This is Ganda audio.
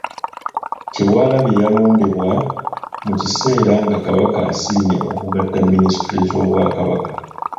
Kyewalabye yalondebwa mu kiseera nga Kabaka asiimye okugatta minisitule z'Obwakabaka.